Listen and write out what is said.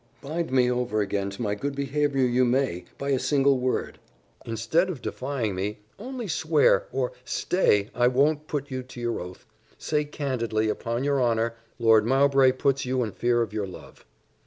Bind me over again to my good behaviour you may, by a single word. Instead of defying me, only swear, or, stay I won't put you to your oath say candidly, upon your honour, Lord Mowbray puts you in fear of your love."